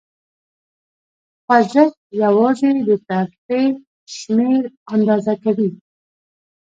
خوځښت یواځې د ترفیع شمېر آندازه کوي.